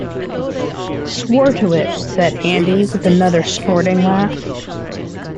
"Swore to it," said Andy with another snorting laugh.